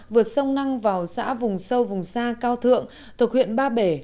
vượt sông năng vào xã vùng sâu vùng xa cao thượng thuộc huyện ba bể